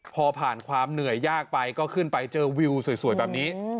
พอผ่านความเหนื่อยยากไปก็ขึ้นไปเจอวิวสวยแบบนี้